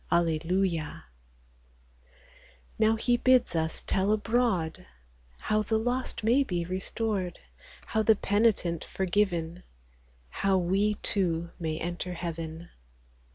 Alleluia ! Now he bids us tell abroad How the lost may be restored, How the penitent forgiven, How we, too, may enter heaven.